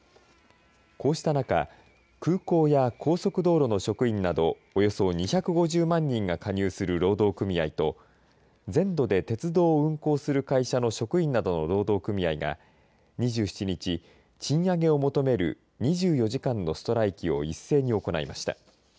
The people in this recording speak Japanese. こうした中、空港や高速道路の職員などおよそ２５０万人が加入する労働組合と全土で鉄道を運行する会社の職員などの労働組合が２７日、賃上げを求める２４時間のストライキを一斉に行いました。